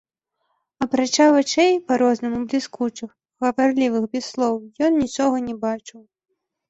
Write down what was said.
Апрача вачэй, па-рознаму бліскучых, гаварлівых без слоў, ён нічога не бачыў.